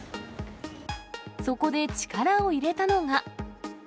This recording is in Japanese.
そこで力を入れたのが。